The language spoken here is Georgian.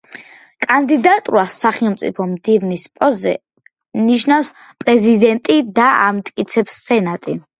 კანდიდატურას სახელმწიფო მდივნის პოსტზე ნიშნავს პრეზიდენტი და ამტკიცებს სენატი.